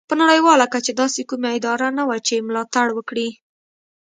په نړیواله کچه داسې کومه اداره نه وه چې ملاتړ وکړي.